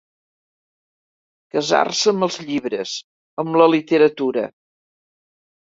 Casar-se amb els llibres, amb la literatura.